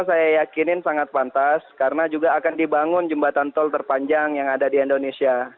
pemajam pasir utara saya yakin sangat pantas karena juga akan dibangun jembatan tol terpanjang yang ada di indonesia